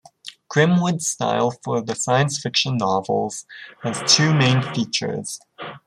Grimwood's style for the Science Fiction novels has two main features.